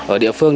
ở địa phương